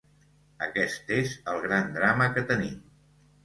Aquest és el gran drama que tenim.